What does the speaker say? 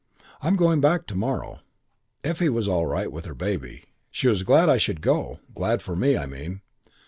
I'm going back to morrow. Effie was all right with her baby. She was glad I should go glad for me, I mean.